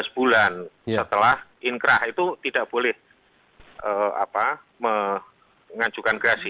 dua belas bulan setelah inkrah itu tidak boleh mengajukan gerasi